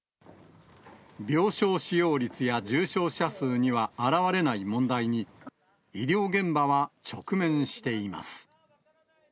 病床使用率や重症者数には表れない問題に、医療現場は直面しています。